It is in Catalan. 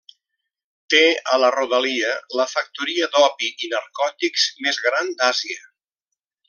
Té a la rodalia la factoria d'opi i narcòtics més gran d'Àsia.